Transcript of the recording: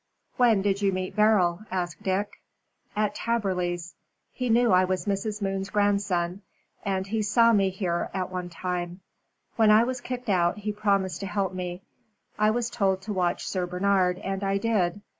"When did you meet Beryl?" asked Dick. "At Taberley's. He knew I was Mrs. Moon's grandson, as he saw me here at one time. When I was kicked out, he promised to help me. I was told to watch Sir Bernard, and I did.